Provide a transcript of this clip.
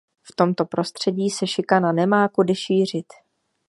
V tomto prostředí se šikana nemá kudy šířit.